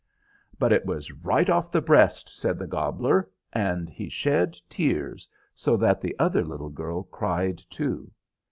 "But it was right off the breast," said the gobbler, and he shed tears, so that the other little girl cried, too.